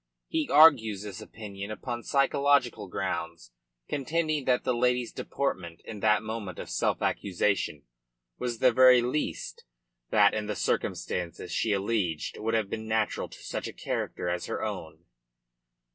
He argues this opinion upon psychological grounds, contending that the lady's deportment in that moment of self accusation was the very last that in the circumstances she alleged would have been natural to such a character as her own.